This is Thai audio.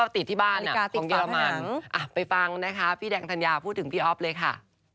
ติดที่บ้านของเยอรมันไปฟังนะคะพี่แดงธัญญาพูดถึงพี่อ๊อฟเลยค่ะ